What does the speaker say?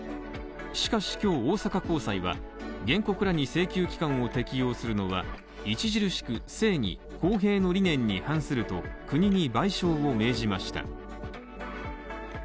しかし今日は大阪高裁は原告らに請求期間を適用するのは著しく正義公平の理念に反すると、国に賠償を命じました。